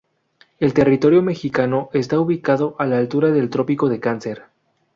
El territorio mexicano está ubicado a la altura del Trópico de Cáncer.